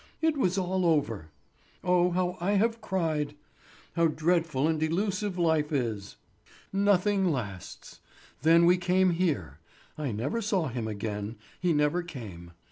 It was all over! Oh, how I have cried! How dreadful and delusive life is! Nothing lasts. Then we came here—I never saw him again; he never came.